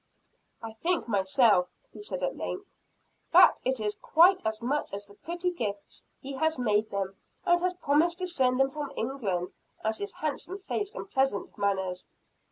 "I think myself," he said at length, "that it is quite as much the pretty gifts he has made them, and has promised to send them from England, as his handsome face and pleasant manners."